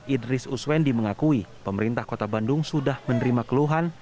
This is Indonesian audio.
idris uswendi mengakui pemerintah kota bandung sudah menerima keluhan